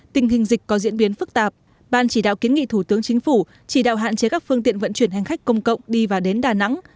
tình hình dịch có diễn biến phức tạp ban chỉ đạo kiến nghị thủ tướng chính phủ chỉ đạo hạn chế các phương tiện vận chuyển hành khách công cộng đi và đến đà nẵng